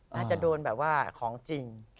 น่าจะโดนแบบว่าของจริง